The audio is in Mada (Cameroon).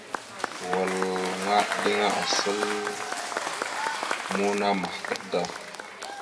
Walŋa eɗiŋa asal muuna mahətaɓ da.